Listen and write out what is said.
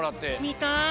みたい！